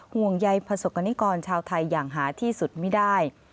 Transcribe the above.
ห่วงใยประสบกรณิกรชาวไทยอย่างหาที่สุดไม่ได้